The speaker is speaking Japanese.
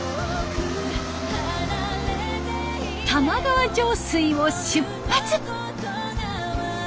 玉川上水を出発！